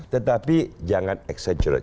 tetapi jangan exaggerate